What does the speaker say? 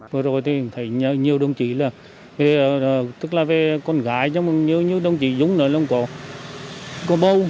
vừa rồi thì thấy nhiều đồng chí là về tức là về con gái nhưng mà nhiều đồng chí giống nữa là có bầu